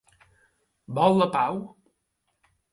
Vol la pau?